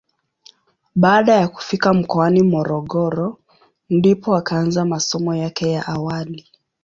Baada ya kufika mkoani Morogoro ndipo akaanza masomo yake ya awali.